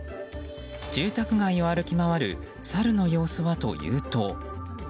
住宅街を歩き回るサルの様子はというと。